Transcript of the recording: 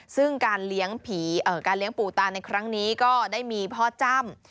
ซึ่งการเลี้ยงปู่ตาในครั้งนี้ก็ได้มีพ่อจ้ำ